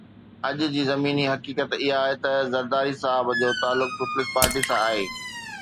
اڄ جي زميني حقيقت اها آهي ته زرداري صاحب جو تعلق پيپلز پارٽي سان آهي